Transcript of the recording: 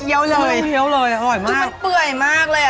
คือมันเปลือยมากเลย